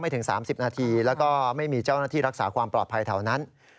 ถึง๓๐นาทีแล้วก็ไม่มีเจ้าหน้าที่รักษาความปลอดภัยแถวนั้น